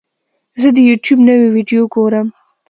زه د یوټیوب نوې ویډیو ګورم.